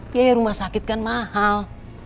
biaya rumah sakit kan mahal